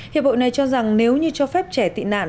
hiệp hội này cho rằng nếu như cho phép trẻ tị nạn